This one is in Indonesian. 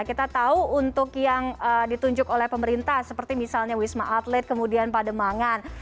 kita tahu untuk yang ditunjuk oleh pemerintah seperti misalnya wisma athlete kemudian pak demangan